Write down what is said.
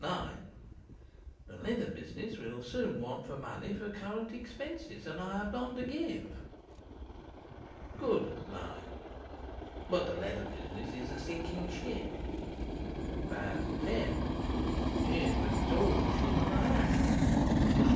The leather business will soon want money for current expenses, and I have none to give. 9. But the leather business is a sinking ship. 10. Yes, but it's all the ship I have.